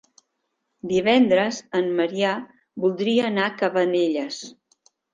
Divendres en Maria voldria anar a Cabanelles.